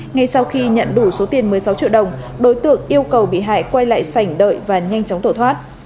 ngay sau khi nhận đủ số tiền một mươi sáu triệu đồng đối tượng yêu cầu bị hại quay lại sảnh đợi và nhanh chóng tổ thoát